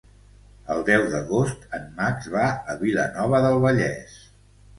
El deu d'agost en Max va a Vilanova del Vallès.